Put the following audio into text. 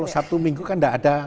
satu minggu kan tidak ada